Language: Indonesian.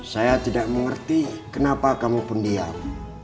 saya tidak mengerti kenapa kamu pendiam